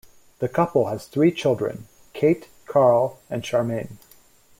The couple has three children: Kate, Karl and Charmaine.